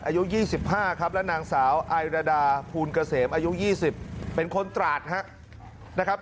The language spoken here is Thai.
อายุ๒๕ครับและนางสาวไอรดาภูลเกษมอายุ๒๐เป็นคนตราดนะครับ